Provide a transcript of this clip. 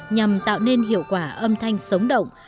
nhằm tạo nên hiệu quả âm thanh sống động